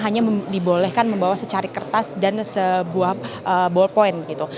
hanya diperbolehkan membawa secarik kertas dan sebuah ball point